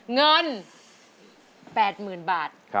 เงิน๘๐๐๐บาท